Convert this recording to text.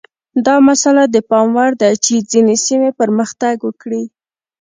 دا مسئله د پام وړ ده چې ځینې سیمې پرمختګ وکړي.